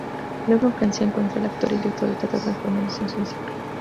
Luego en Francia, encuentra al actor y director de teatro transformándose en su discípulo.